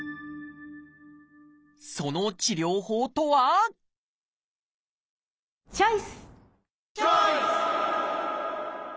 その治療法とはチョイス！